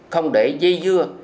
không để dây dưa